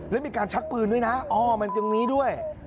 แล้วมีการชักปืนด้วยนะอ้อมันตรงนี้ด้วย